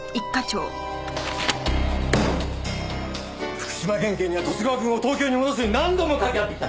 福島県警には十津川君を東京に戻すように何度もかけ合ってきた。